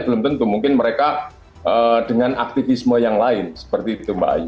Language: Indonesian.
belum tentu mungkin mereka dengan aktivisme yang lain seperti itu mbak ayu